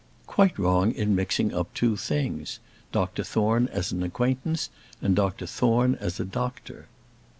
"Quite wrong in mixing up two things; Doctor Thorne as an acquaintance, and Dr Thorne as a doctor."